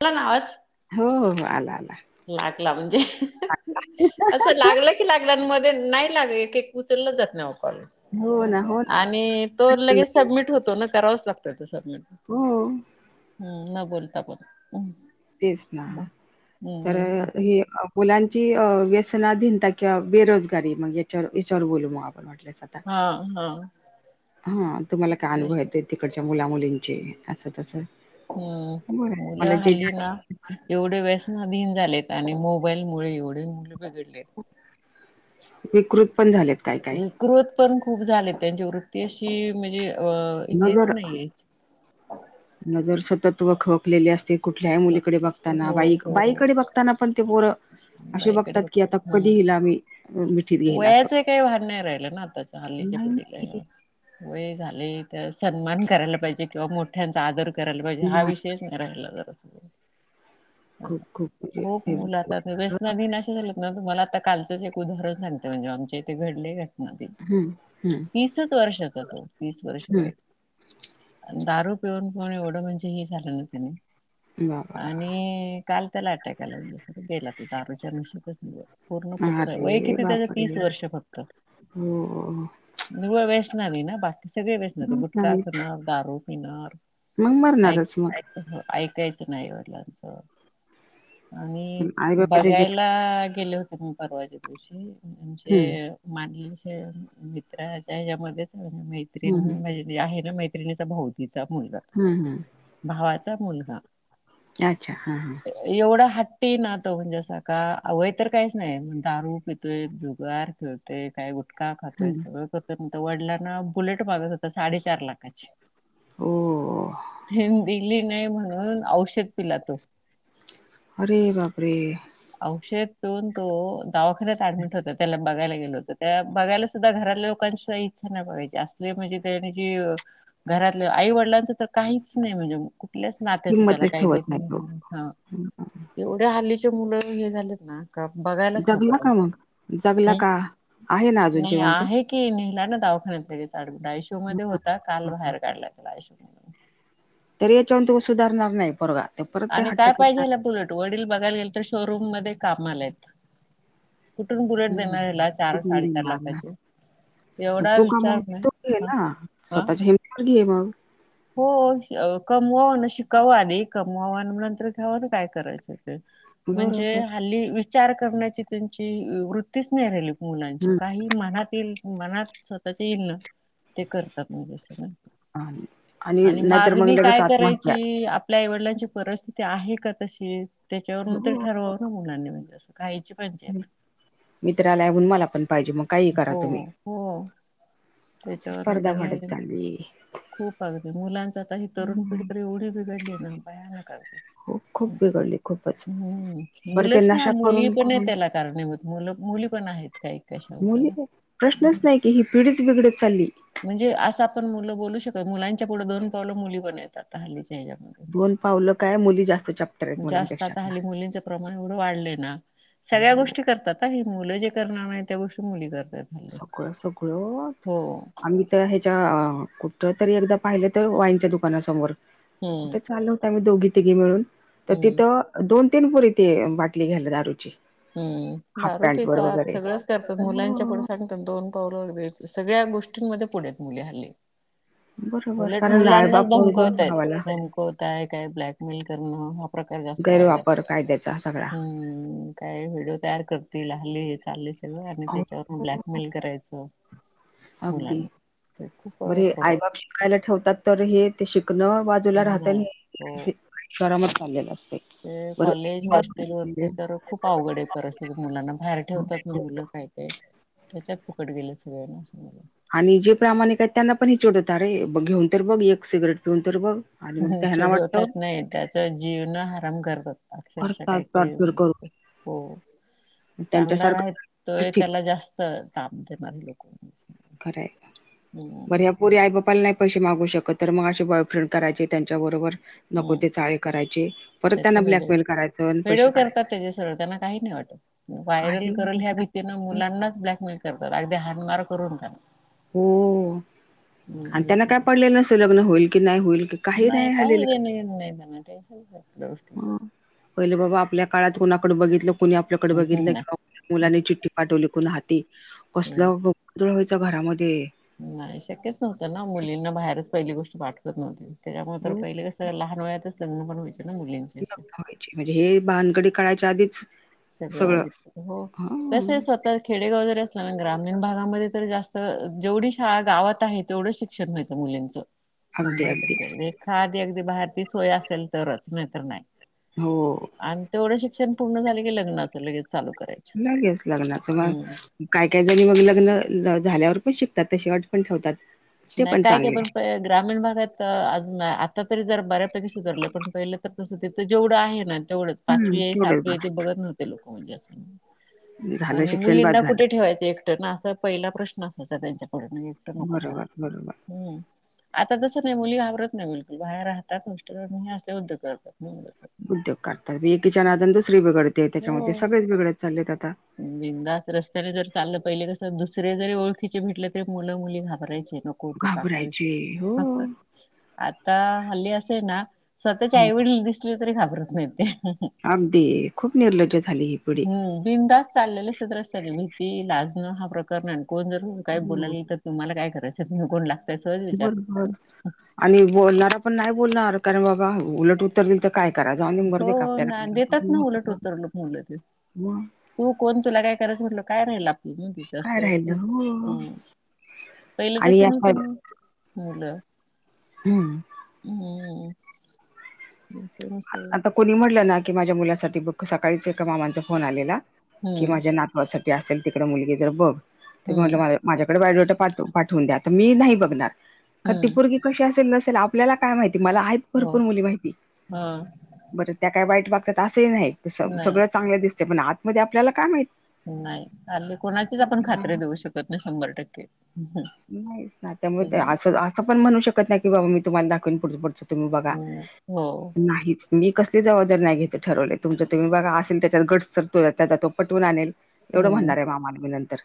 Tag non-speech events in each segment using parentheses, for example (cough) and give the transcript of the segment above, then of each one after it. आला ना आवाज? हो, हो, हो, आला आला. लागला म्हणजे, असं लागलं लागलान मध्ये नाही लाग एक एक उचलला जात नाही ओ, कॉल. हो ना हो आणि तो ना लगेच सबमिट होतो ना, करावाच लागतोय तसं पण हो हम्म, न बोलता पण. हम्. तेच ना जरा हे मुलांची अ... व्यसनाधीनता किंवा बेरोजगारी मग याच्यावर याच्यावर बोलू मग आप पण म्हटलेच आता हा हा हां, तुम्हाला काय अनुभव तेच ना येते? तिकडच्या मुलामुलींचे असं तसं हम्म बरं मुलं मला जे हल्ली ना जे ना एवढे व्यसनाधीन झालेत आणि मोबाईल मुळे एवढे मुलं बिघडलेत. विकृत पण झालेत. काही-काही. विकृत पण खूप झालेत त्यांची वृत्ती अशी म्हणजे अ हेच नजर, नाहीये नजर सतत वखवकलेली असते. कुठल्याही मुलीकडे बघताना. हो बाईक हो बाईकडे बघताना पण ते पोरं असे बाईकडे बघतात की बघत आता हा कधी हिला आमी वयाच ही काही भान नाही राहिलं ना आताच्या हल्लीच्या नाही, पिढीलाया. वय झाले. सन्मान करायला पाहिजे. किंवा मोठ्यांचा आदर करायला पाहिजे. हा विषय तेच नाही राहील खूप जरास. खूप म्हणजे खूप हे मुलं आता व्यस वेदनाधीन आशे झालेत ना. तुमला आता कालच एक उदाहरण सांगते. म्हणजे आमच्या इथे घडले. हम्म हम्म तीसच वर्षाचा तो. तीस वर्ष वय. हम्म दारू पिऊन पिऊन एवढं म्हणजे ह झालं ना त्याने. बाबा आणि काल त्याला अटॅक आला. गेला तो. दारूच्या नशेतच पूर्ण फुफस. वय अरे किती? त्याच बापरे तीस वर्ष फक्त. हो हो. निवळ वेसणानि ना बा सगळे वेसण. ते मग गुटका नाहीच खणार. दारू पिणार. मग ऐक मरणारच मग ऐक येकायच नाही वडलांच. आणि पण आई बाबाच्या जीवा बघायला आता गेले होते मी. परवाच्या दिवशी. हम्म आमचे माांनलेल्या मित्राच्या हच्यामध्येच म्हणजे, मैत्रीिण हम्म म्हणजे ती आहे ना मैत्रिणीचा भाऊ. तीचा मुलगा हम्म हम्म भावाचा मुलगा. अच्छा हां हां.. हा हा. एवढा हट्टी ना तो. म्हणजे असं का वय तर काहीच नाही पण दारू पी तो एक जुगार खेळतोय. काय गुटका खातोय. हम्म सगळं तो वडलांना बुलेट मागत होता. साडेचार लाखाची. हो तेन दिली नाही म्हणून औषध पिला तो. अरे बाप रे. औषध पिऊन तो दावाखान्यात ऍडमिट होता. त्याला बघायला गेलं होतो. त्याला बघायला सुद्धा घरातल्या लोकांची इच्छा नाय बघायची. असली म्हणजे त्यान जी घरातल्या आई वडिलांचं तर काहीच नाही. म्हणजे कुठल्या च नात्याचं त्याला किंमतच काय घेण ठेवत देणं तो नाही. हा. हं. एवढ्या हल्लीचे मुलं हे झालेत ना. का बघायलाच नको जगला त्यांना. का मग जगला का आहे ना अजून नाही जिवंत आहे. की नेला ना दावाखान्यात लगेच ऍडमिट. आय सी यू मध्ये होता. काल बाहेर काढला त्याला. आय सी यू मधून. तरी याच्यावरन तो सुधारणार नाही पोरगा. ते परत ते आणि हट्ट काय करणार पाहिजेले बुलट. वडील बघायला गल तर शोरूम मध्ये कामालायात. कुठून बुलेट देणार हेला? हम्म चार साडेचार लाखाची. म एवढा तू विचार कमव नाही तू घे ह ना. ह स्वतःच्या हिमती वर घे मग. हो कमवाव ना. शिकाव आधी. कमवावं नंतर घेवा ना. काय करायचं ते? म्हणजे बरोबर हल्ली विचार करण्याची त्यांची वृत्तीच नाही राहिली. मुलांची हम्म काही मनात येईल मनात स्वतःच्या येईल ना. ते करतात मूल सगळ. आणि आणि नाहीतर मग मागणी लगेच काय करायची? आत्महत्या आप आपल्या आईवडिलांची परिस्थिती आहे का तशी? त्याच्यावरूनंत हो ठरवावं ना मुलांनी म्हणजे अस. खायची पंचाईत. मित्राला हाय म्हणून मला पण पायजे, मग काही करा हो तुम्ही. हो. अशी त्याच्यावर म स्पर्धा वाढत त्यांनी, चालली खूप अगदी, मुलांच आता हे तरुण पीढी तर एवढी बिघडली ना, भयानक आहे. हो खूप बिघडली खूपच हम्म, बरं ते मुलंच नाही. नशा मुली करून पण आहे करून त्याला कारणीभूत. मुलं मुली पण आहेत काही. कशावर मुली, प्रश्नच नाही की, ही पिढीच बिघडत चाली. म्हणजे, असं आपण मुलं बोलू शकतो, पुढे दोन पावलं मुली बनवतात हल्लीच्या ह्याच्यामध्ये. दोन पावलं काय, मुली जास्त चाप्टर आहेत जास्त मुलांपेक्षा हल्ली आता. मुलींचं प्रमाण एवढं वाढलंय ना, सगळ्या हो गोष्टी करतात, मुलं जे करणार नाहीत त्या गोष्टी मुली करतात. हल्ली सगळं सगळं, हो आम्ही त... ह्याच्या कुठे तरी एकदा पाहिलं तर वाईनच्या दुकानासमोर, हम्म कुठे चाललो आम्ही दोघी-तिघी मिळून, तर हम्म तिथं दोन-तीन पोरी बाटली घ्यायला, दारूची. हं, हाफ दारू पॅन्ट वर पितात, वगैरे सगळंच करतात, मुलांच्या पुढे हो सांग दोन पावलं, सगळ्या गोष्टींमध्ये पुढे आहेत मुली हल्ली. बरोबर उलट कारण मुलांनाच लाळबाप वगैरे धमकवतायत, गावाला धमक... होतंय काय, ब्लॅकमेल करणं हा प्रकार जास्त वाढलाय, गैरवापर कायद्याचा सगळा हं. काय व्हिडिओ तयार करतील, हल्ली हे सगळं चाललंय आणि त्याच्यावरून ब्लॅकमेल करायचं. अगदी मुलांना ते खूप बर हे प्रमाण. आईबाप शिकायला ठेवतात, तर शिकणं बाजूला राहतं नाही आणि हो. या करामती चाललेल्या असतंय. ते कॉलेज, होस्टेलवर तर खूप अवघड आहे परिस्थिती, मुलांना बाहेर ठेवतात ना. काय काय, त्याच्यात फुकट गेली सगळी मुलं. आणि जे प्रामाणिक आहेत त्यांनाही हे चिडवतात, अरे घेऊन तर बघ एक सिगारेट, पिऊन तर बघ. आणि मग हं, त्यांना चिडवत वाटतं नाहीत तर त्याचं जगणं हराम करतात, अक्षरशः करतात काही काही... टॉर्चर करू हो, जो चांगला त्यांच्यासारखं राहतोय ठीक त्याला जास्त ताप देणारे लोक आहेत. खरंय. हम्म बरं, ह्या पोरी आई-बापाला नाही... पैसे मागू शकत नाहीत, तर मग असे बॉयफ्रेंड करायचे, त्यांच्याबरोबर... नको हम्म ते चाळे करायचे, परत त्याचे त्यांना व्हिडिओ ब्लॅकमेल करायचं आणि व्हिडिओ पैसे काढायचे. करतात त्याचे सरळ त्यांना काही नाही वाटत. व्हायरल काही करू या होणार भीतीने मुलांनाच ब्लॅकमेल करतात, आणि ते हाणामारी करून झालं. हो, आणि त्यांना काय पडलेलं नसतं लग्न होईल की नाही होईल ते. त्यांना कशाचंही घेणं-देणं नाही, कसल्याच गोष्टीचं टेन्शन नाही. हं. पहिले बाबा आपल्या काळात, कुणाकडे बघितलं, कुणी आपल्याकडे बघितलं की मुलांनी चिठ्ठी पाठवली कोना हाती, नाही कसलं धुरळा व्हायचा घरामध्ये, नाही शक्यच नव्हतं ना, मुलींना बाहेरच पहिली गोष्ट पाठवत नव्हती, त्याच्यामुळे तर हो पहिले कस लहान वयातच लग्न पण व्हायचे ना मुलींचे लग्न अशे व्हायची म्हणजे हे बानगडी कळायच्या आधीच सगळं जीत हो हा कसय स्वतः खेडेगाव जरी असल्या ना, ग्रामीण भागामध्ये तर जास्त, जेवढी शाळा गावात आहे तेवढंच शिक शिक्षण व्हायचं मुलींचं. अगदी शंभर अगदी टक्के, एखादी अगदी बाहेर ती सोय असेल तरच, नाही तरच नाही. हो. आणि तेवढं शिक्षण पूर्ण झाले, की लग्नाच लगेच चालु करायं. लगेच लग्नाचं मग काय काय जणी मग लग्न झाल्यावर पण शिकतात, तशी अट पण ठेवतात. ते नाही काय काय चांगले पण, ग्रामीण भागात तर अज आता तरी जर बऱ्यापैकी सुधरलं, पण पहिलं तर तसं, तिथं जेवढं आहे ना तेवढंच, हम्म पाचवी आहे तेवढंच सातवी आहे बास ते बघत नव्हते लोक, म्हणजे असं झालं आणि शिक्षण बास मुलींना झालं कुठे ठेवायचं एकट ना, असा पहिला प्रश्न असायचा त्यांच्याकडून बरोबर. बरोबर हं आता तसं नाही मुली घाबरत नाही बिलकुल बाहेर राहतात असल्या गोष्टी करतात हे असला उद्योग करतात. उद्योग करतात एकिच्या नादानं दुसरी बिगडते त्याच्यामुळे ते हो. सगळेच बिघडत चाललेत आता बिंदास रस्त्याने जरी चाललं पहिले कसं, दुसरे जरी ओळखीचे भेटले तरी मुलं मुली घाबरायचे. नको ते काका घाबरायचे हो दिसतील. आता हल्ली असं आहे ना स्वतःचे आईवडील दिसले तरी घाबरत नाही ते. अगदी खूप निर्लज्ज झाली ही पिढी. बिंदास चाललेले असतात रस्ताने भीती, लाजणं हा प्रकार नाही, आणि कोण जर काही हो बोलायला लागले तर तुम्हाला काय करायचं, तुम्ही कोण लागताय? सहज विचारतात बरोबर आणि आणि बोलणारा पण नाही बोलणार, कारण बाबा उलट उत्तर दिलं तर काय करायच जाऊदे हो मरूदे का (unintelligible) ना देतात ना उलट आपल्याला उतरलं मुलं ते तू कोण, तुला काय करायचं, म्हटलं तर काय राहिलं आपलं? (unintelligible) काय राहिलं हो पहिलं आणि या तसं नव्हतं ना. मुलं हम्म हम्म (unintelligible) आता कोणी म्हटलं ना की माझ्या मुलासाठी बघ सकाळीच एका मामांचा फोन आलेला कि हम्म माझ्या नातवासाठी असेल तिकड मुलगी तर बघ तर म्हटलं हम्म माझा माझ्याकडे बायोडेटा पाठ-पाठवून द्या, तर मी नाही बघणार, कारण ती हम्म पोरगी कशी असेल, नसेल आपल्याला काय माहिती, मला आहेत हो भरपूर मुली माहिती. हा. बरं त्या काय वाईट वागतात असंही नाही, नाही सगळं चांगलं दिसतयं पण आतमध्ये आपल्याला काय माहित? नाही हल्ली कोणाचीच आपण खात्री देऊ शकत नाही, शंभर टक्के. नाहीच ना त्यामुळे असं, असं पण म्हणू शकत नाही की बाबा मी तुम्हाला दाखवन पुढं पुढच तुम्ही बघा, हम्म, हो नाहीच मी कसली जबाबदारी नाही घ्यायंच ठरवले, तुमचं तुम्ही बघा असेल त्याच्यात गट तर त्याचा तो पटवून आणेल. एवढं हम्म, म्हणणार आहे मामाला मी नंतर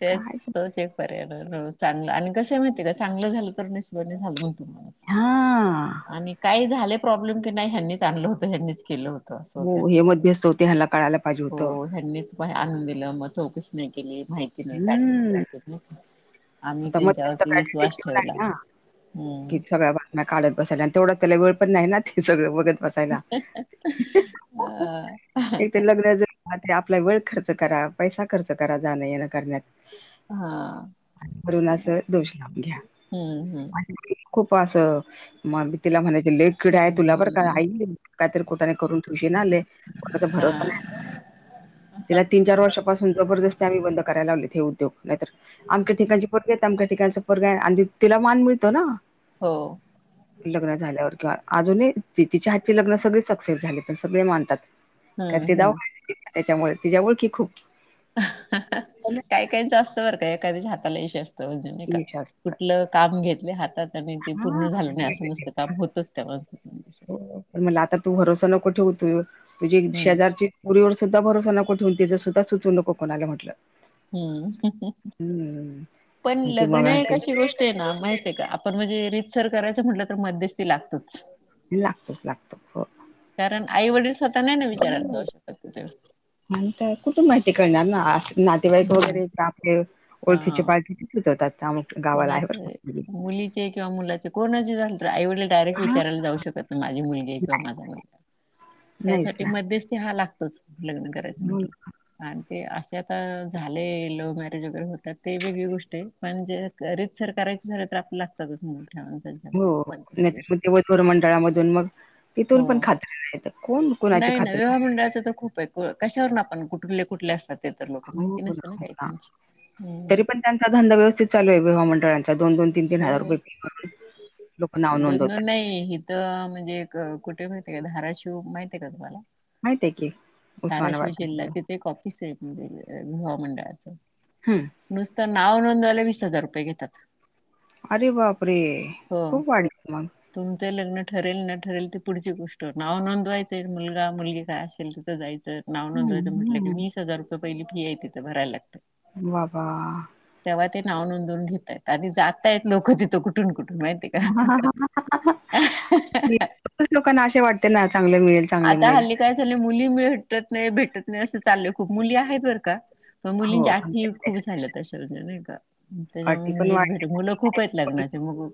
तेच काय तोच एक पर्याय नं चांगला आणि कसं माहितीय का चांगलं झालं तर हा (unintelligible) आणि काही झालं प्रॉब्लेम की नाही ह्यांनीच आणलं होतं, अन् ह्यांनीच केलं होतं. असं होते हो हे मध्येसतं होते ह्यानला कळायला पाहिजे हो होतं ह्यांनीच आणून दिलं मग चौकशी नाही केली, माहिती नाही काढलेली हम्म असं आम्ही आता मध्यस्थ त्यांच्यावरती काय विश्वास डिटेक्टिव्ह ठेवला, हम्म. याना काढत बसायला आणि तेवढ्यात त्याला वेळ पण नाहीये ना ते सगळं बघत बसा सायला, हि, हं, अ हं इथं लग्न अजून आणि आपला वेळ खर्च करा, पैसा खर्च करा, जाणं येन करण्यात. हा. वरून असं दोष लावून घ्या हम्म आणि खूप असं म आमी तिला म्हणायचे लई किडा आहे तुला बरं काय, हम्म आई काहीतरी कुटाना करून ठेवशीन हा लै कोणाचा हा भरोसा नाही. तिला तीन चार वर्षापासून जबरदस्ती आम्ही बंद करायला लावलेत हे उद्योग, नाहीतर अमक्या ठिकाणची पोरगी आहे, तमक्या ठिकाणचा पोरगा आहे आणि तिला मान मिळतो ना. हो. लग्न झाल्यावर किंवा अजूनही तिच्या हातची लग्न सगळी सक्सेस झाली पण सगळे मानतात. कारण हम्म ती हम्म. दवाखान्यात होती ना, त्याच्यामुळे तिच्या ओळखी खूप काही -काहीच आस्त बरं का, एखाद्याच्या हाताला यश असतं म्हणजे नही का यश असतं कुठलं काम घेतले हातात आणि ते पूर्ण झालं नाही, असं हा नसतं काम होतच त्या. (unintelligible) हो, पण म्हणलं आता तू भरोसा नको ठेवु तु, तुझी हम्म शेजारची पोरीवरच सुद्धा भरोसा नको ठेवू, तिंच सुद्धा सुचवू नको कोणाला म्हटलं. हम्म, हम्म पण आणि ते लग्न मग हे ते कशी गोष्ट आहे ना माहित ये का? आ पण म्हणजे रीतसर करायचं म्हटलं तर मध्यस्ती लागतच. लागतच लागत हो. कारण आई वडील स्वतः नाही ना विचारायला जाऊ शकतात कुठं आणि इथं कुठून माहिती कळणार ना, अस नातेवाईक हम्म वगैरे आपले ओळखीची हा पाळखीचे सुचवतात नावे कोणाचे मुलीचे किंवा मुलाचे कोणाचे झाले तर आईवडील डायरेक्ट हा विचारायला जाऊ शकत नाही माझी मुलगी हाय किंवा माझा मुलगा हाय नाहीच ह्याज्यासाठी ना मध्यस्थी हा लागतोच. लग्न करायचं मग म्हटलं आणि ते असे आता झाले लव्ह मॅरेज वगैरे होतात ते वेगळी गोष्ट आहे. पण जे रीतसर करायचं झालं तर आपल्या लागतातच (unintelligible) हो मध्यस्थी नाहीतर म ते वधुवर मंडळामधून मग तिथून हो पण खात्री नाहीत कोण कोणाची नाही ना खात्री विवाह मंडळाचं तर खूप आहे (unintelligible) को कशावरनं आपण कुठुले कुठले असतात ते तर लोकं माहिती नसते ना काय त्यांची हम्म तरी हम्म. पण त्यांचा धंदा व्यवस्थित चालू हाय विवाह मंडळांचा दोन-दोन तीन-तीन हो हजार रुपये फी भरून लोकं नाव नोंदवतात. (unintelligible) हित म्हणजे एक कुठं माहितेय का धाराशिव माहितये का तुम्हाला? माहितीय की धाराशिव उस्मानाबाद जिल्हा तिकडे तिथे एक ऑफिस आहेे (unintelligible) विवाह मंडळाचं. हम्म. नुसत नाव नोंदवायला वीस हजार रुपये घेतात. अरे बापरे! हो. खूप वाढले मग तुमचं लग्न ठरेल न ठरेल ती पुढची गोष्ट नाव नोंदवायचंय मुलगा मुलगी काय असेल तिथं जायचं नाव नोंदवायचं हम्म म्हटलं की हम्म वीस हजार रुपये पहिली फी आहे तिथं भरायला लागतं. बाबा. तेव्हा ते नाव नोंदवून घेतायत आणि जातायेत लोकं तिथं कुठून कुठून माहितीय का? (unintelligible) खूप लोकांना अशा वाटते ना चांगलं मिळेल चांगलं आता मिळेल हल्ली काय झाले मुली भेटत नाही भेटत नाही असं चाललंय खूप मुली आहेत बरं का. पण मुलींची हो पण अटी तेच तेच. खूप झाल्या तशा म्हणजे नाही का अटी त्याच्यामुळे पण मुलीच वाढली भेट मुलं खूप आहेत लग्नाचे बघू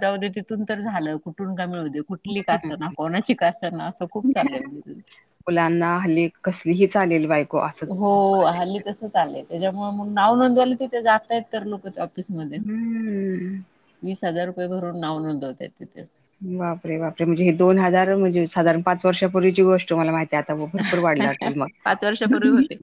जाऊदे तिथून तर झालं कुठून का मिळूदे कुठली का असना, कोणाची का असना असं खूप चाललंय (unintelligible) मुलांना हल्ली कसलीही चालेल बायको असंच हो हल्ली तसच चाललंय त्याच्यामुळे मग नाव नोंदवायला तिथं जात आहेत तर लोकं ऑफिसमध्ये. हम्म वीस हजार रुपय भरून नाव नोंदवत आहेत तिथं. बापरे! बापरे! म्हणजे हे दोन हजार म्हणजे साधारण पाच वर्षापूर्वीची गोष्ट मला माहि ती आता म भरपूर वाढलं असल पाच मग वर्षापूर्वी होते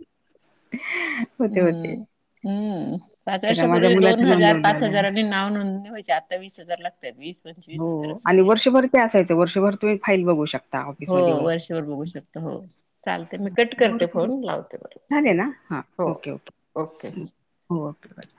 होते होते हम्म. हम्म पाच कारण माझ्या वर्षापूर्वी दोन मुलाचं हजार नोंदवलं पाच होतं. हजारांनी नाव नोंदणी व्हायच्या. आता वीस हजार लागत्यात वीस पंचवीस हो हजार असं आणि घ्यायला वर्षभर ते असायचं वर्षभर तुम्ही फाईल बघू शकता हो ऑफिसमध्ये येऊन. वर्षभर बघू शकतो हो चालते मी कट करते (unintelligible) फोन लावते झाले बरोबर ना हां हो ओके ओके. Okay bye.